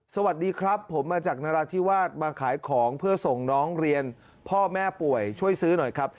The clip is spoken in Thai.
สวัสดีครับผมมาจากนราธิวาสมาขายของเพื่อส่งน้องเรียนพ่อแม่ป่วยช่วยซื้อหน่อยครับ